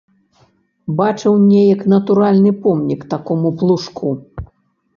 Бачыў неяк натуральны помнік такому плужку.